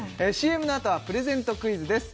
ＣＭのあとはプレゼントクイズです